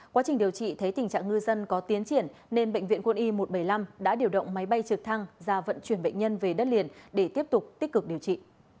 quá trình điều trị thấy tình trạng ngư dân có tiến triển nên bệnh viện quân y một trăm bảy mươi năm đã điều động máy bay trực thăng ra vận chuyển bệnh nhân về đất liền để tiếp tục tích cực điều trị